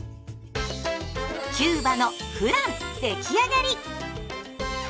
キューバのフラン出来上がり！